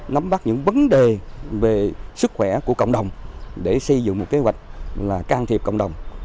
nắm bắt những vấn đề về sức khỏe của cộng đồng để xây dựng một kế hoạch là can thiệp cộng đồng